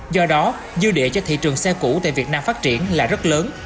do đó dư địa cho thị trường xe cũ tại việt nam phát triển là rất lớn